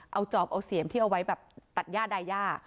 เอาจอบเอาเสียมที่เอาไว้แบบตัดย่าดา